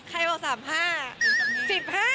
ใครเอาสามห้าสิบห้าสิบห้า